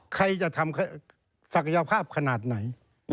ใครจะทำศักยภาพขนาดไหน